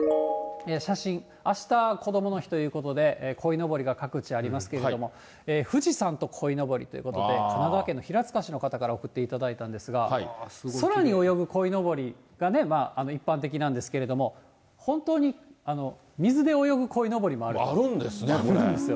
写真、あした、こどもの日ということで、こいのぼりが各地ありますけども、富士山とこいのぼりということで、神奈川県の平塚市の方から送っていただいたんですが、空に泳ぐこいのぼりが一般的なんですけれども、本当に水で泳ぐこいのぼりもあるんです。